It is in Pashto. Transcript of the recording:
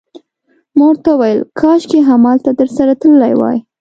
ما ورته وویل: کاشکي همالته درسره تللی وای.